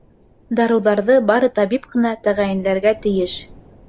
Дарыуҙарҙы бары табип ҡына тәғәйенләргә тейеш.